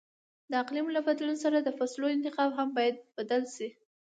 د اقلیم له بدلون سره د فصلو انتخاب هم باید بدل شي.